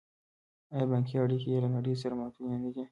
آیا بانکي اړیکې یې له نړۍ سره محدودې نه دي؟